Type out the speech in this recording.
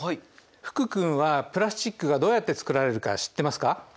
福君はプラスチックがどうやってつくられるか知ってますか？